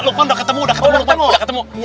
lukman udah ketemu udah ketemu